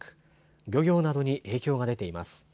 漁業などに影響が出ています。